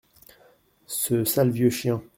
Ce sale vieux chien.